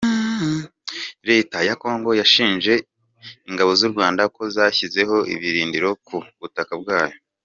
Leta ya Kongo yashinje ingabo z’u Rwanda ko zashyizeho ibirindiro ku butaka bwacyo.